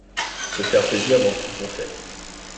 Se faire plaisir dans tout ce qu'on fait